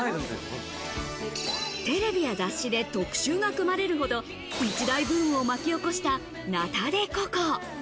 テレビや雑誌で特集が組まれるほど、一大ブームを巻き起こしたナタデココ。